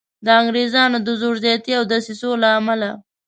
د انګریزانو د زور زیاتي او دسیسو له امله.